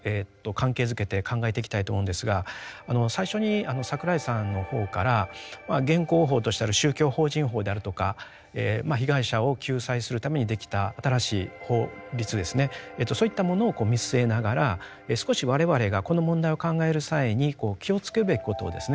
関係づけて考えていきたいと思うんですが最初に櫻井さんの方から現行法としてある宗教法人法であるとか被害者を救済するためにできた新しい法律ですねそういったものを見据えながら少し我々がこの問題を考える際に気をつけるべきことをですね